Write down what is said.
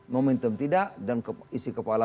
momentum tidak dan isi kepala